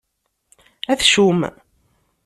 Atcum!